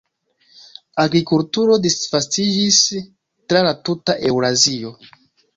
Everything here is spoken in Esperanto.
Agrikulturo disvastiĝis tra la tuta Eŭrazio.